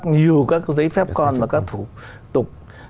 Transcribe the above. nhiều các giấy phép con và các thủ tục